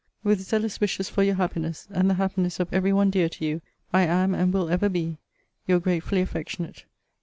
With zealous wishes for your happiness, and the happiness of every one dear to you, I am, and will ever be, Your gratefully affectionate CL.